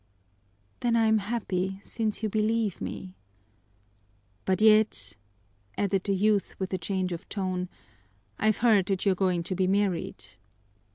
"Then I am happy, since you believe me " "But yet," added the youth with a change of tone, "I've heard that you are going to be married."